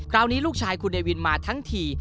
คราวนี้ลูกชายคุณเนวินมาทั้งที